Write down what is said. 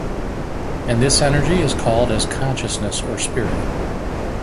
And this energy is called as consciousness or spirit.